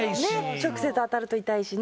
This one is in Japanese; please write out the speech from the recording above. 直接当たると痛いしね。